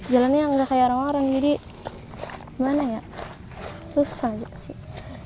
jalannya nggak kayak orang orang jadi gimana ya susah juga sih